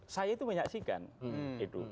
saya itu menyaksikan itu